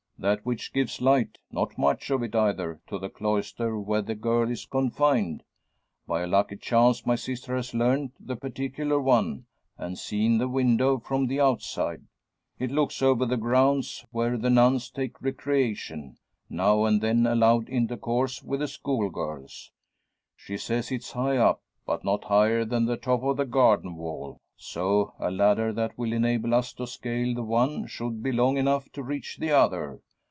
That which gives light not much of it either to the cloister where the girl is confined. By a lucky chance my sister has learnt the particular one, and seen the window from the outside. It looks over the grounds where the nuns take recreation, now and then allowed intercourse with the school girls. She says it's high up, but not higher than the top of the garden wall; so a ladder that will enable us to scale the one should be long enough to reach the other.